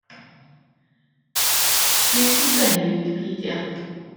Dw i 'di sgwennu i Wicipedia.